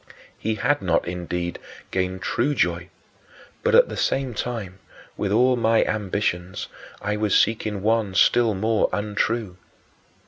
He had not, indeed, gained true joy, but, at the same time, with all my ambitions, I was seeking one still more untrue.